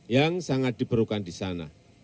yang sangat diperlukan di sana